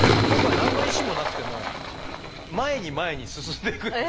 僕は何の意思もなくても前に前に進んでいく。